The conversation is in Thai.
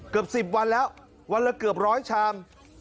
เกือบ๑๐วันแล้ววันละเกือบร้อยชาม